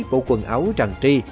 bộ quần áo tràn tri